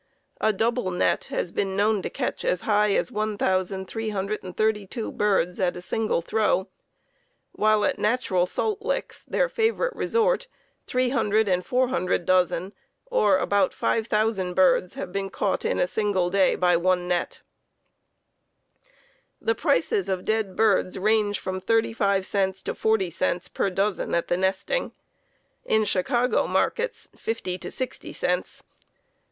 A double net has been known to catch as high as 1,332 birds at a single throw, while at natural salt licks, their favorite resort, 300 and 400 dozen, or about 5,000 birds have been caught in a single day by one net. The prices of dead birds range from thirty five cents to forty cents per dozen at the nesting. In Chicago markets fifty to sixty cents.